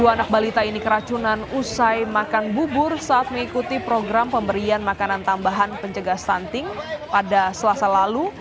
dua anak balita ini keracunan usai makan bubur saat mengikuti program pemberian makanan tambahan pencegah stunting pada selasa lalu